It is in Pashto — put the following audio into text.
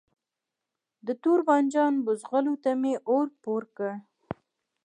د توربانجانو بوزغلو ته می اور پوری کړ